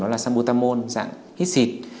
đó là sambutamol dạng hít xịt